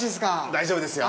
大丈夫ですよ。